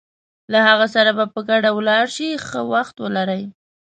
له هغه سره به په ګډه ولاړ شې، ښه وخت ولرئ.